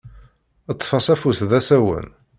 Ṭṭef-as afus d asawen.